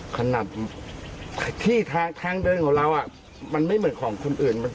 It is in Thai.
ขนาดที่ทางเดินของเรามันไม่เหมือนของคนอื่น